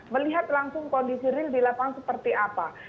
melihat langsung kondisi real di lapangan seperti apa